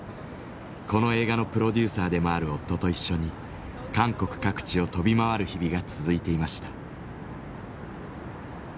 この映画のプロデューサーでもある夫と一緒に韓国各地を飛び回る日々が続いていました。